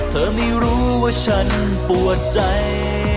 เธอไม่รู้ว่าฉันปวดใจ